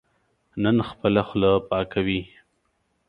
نن خپله خوله پاکوي.